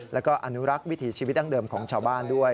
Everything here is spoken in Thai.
แล้วก็อนุรักษ์วิถีชีวิตดั้งเดิมของชาวบ้านด้วย